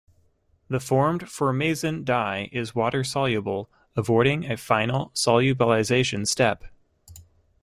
The formed formazan dye is water-soluble, avoiding a final solubilization step.